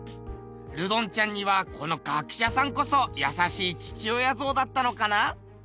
ルドンちゃんにはこの学者さんこそ優しい父親像だったのかな？